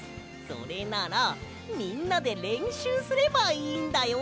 それならみんなでれんしゅうすればいいんだよ！